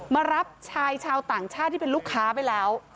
มารับชายชาวต่างชาติที่เป็นลูกค้าไปแล้ว